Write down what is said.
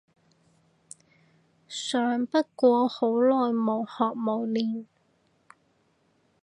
想不過好耐冇學冇練